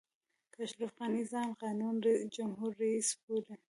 که اشرف غني ځان قانوني جمهور رئیس بولي.